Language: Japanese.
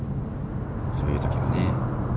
そういうときはね。